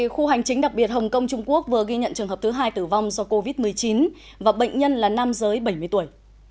khu hành chính đặc biệt hồng kông trung quốc vừa ghi nhận trường hợp thứ hai tử vong do covid một mươi chín và bệnh nhân là nam giới bảy mươi tuổi